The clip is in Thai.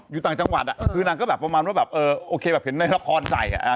อีกต่างจังหวัดอ่ะคือนางก็แบบประมาณว่าแบบก็เห็นในละครใส